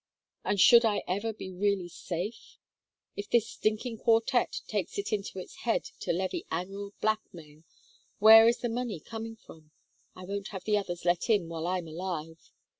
And should I ever be really safe? If this stinking quartet takes it into its head to levy annual blackmail, where is the money coming from? I won't have the others let in while I'm alive.